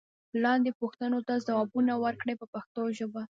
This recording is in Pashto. لاندې پوښتنو ته ځوابونه ورکړئ په پښتو ژبه.